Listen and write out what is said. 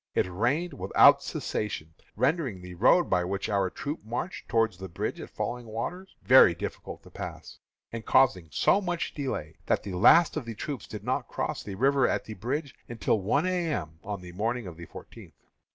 It rained without cessation, rendering the road by which, our troops marched toward the bridge at Falling Waters very difficult to pass, and causing so much delay that the last of the troops did not cross the river at the until one A. M. on the morning of the fourteenth.